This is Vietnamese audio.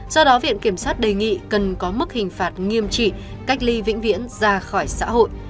do đó viện kiểm sát đề nghị cần có mức hình phạt nghiêm trị cách ly vĩnh viễn ra khỏi xã hội